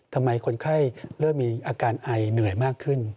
คนไข้เริ่มมีอาการไอเหนื่อยมากขึ้น